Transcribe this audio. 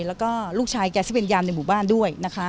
แล้วก็ลูกชายแกซึ่งเป็นยามในหมู่บ้านด้วยนะคะ